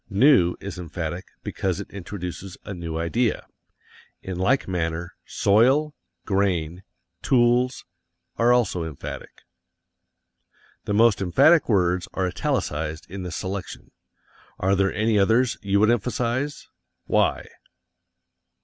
"New" is emphatic because it introduces a new idea. In like manner, "soil," "grain," "tools," are also emphatic. The most emphatic words are italicized in this selection. Are there any others you would emphasize? Why?